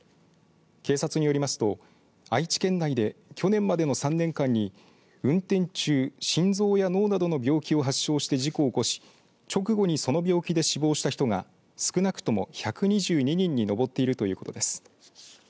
警察によりますと愛知県内で去年までの３年間に運転中、心臓や脳などの病気を発症して事故を起こし直後にその病気で死亡した人が少なくとも１２２人に上っているということです。